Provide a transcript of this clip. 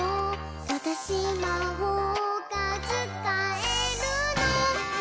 「わたしまほうがつかえるの！」